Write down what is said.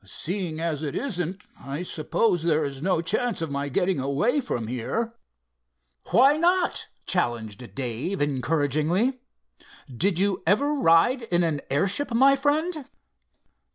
Seeing as it isn't, I suppose there is no chance of my getting away from here?" "Why not?" challenged Dave, encouragingly. "Did you ever ride in an airship, my friend?"